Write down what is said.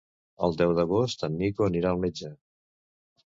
El deu d'agost en Nico anirà al metge.